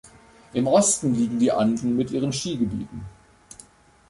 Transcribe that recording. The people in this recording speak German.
Im Osten liegen die Anden mit ihren Skigebieten.